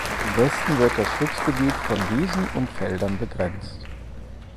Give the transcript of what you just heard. Im Westen wird das Schutzgebiet von Wiesen und Feldern begrenzt.